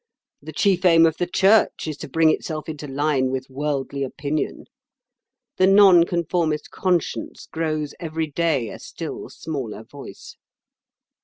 The chief aim of the Church is to bring itself into line with worldly opinion. The Nonconformist Conscience grows every day a still smaller voice."